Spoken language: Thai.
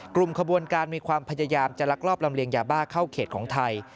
กลุ่มขบวนการมีความพยายามจะลักลอบลำเลียงยาบ้าเข้าเขตของไทย